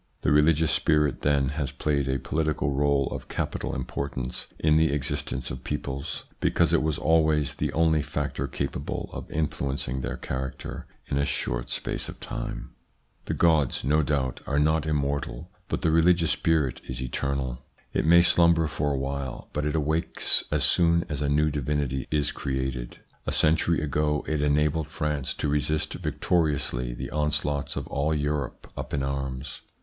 The religious spirit then has played a political role of capital importance in the existence of peoples, because it was always the only factor capable of influencing their character in a short space of time. 196 THE PSYCHOLOGY OF PEOPLES: The gods, no doubt, are not immortal, but the religious spirit is eternal. It may slumber for a while, but it awakes as soon as a new divinity is created. A century ago it enabled France to resist victoriously the onslaughts of all Europe up in arms.